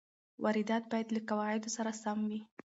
واردات باید له قواعدو سره سم وي.